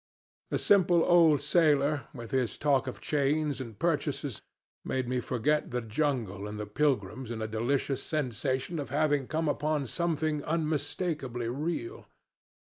The simple old sailor, with his talk of chains and purchases, made me forget the jungle and the pilgrims in a delicious sensation of having come upon something unmistakably real.